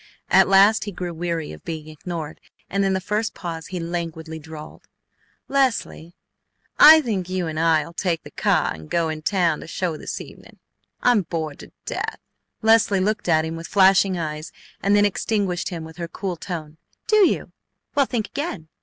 At last he grew weary of being ignored and in the first pause he languidly drawled: "Leslie, I think you and I'll take the cah and go in town to a show this evening. I'm bored to death." Leslie looked at him with flashing eyes and then extinguished him with her cool tone: "Do you? Well, think again!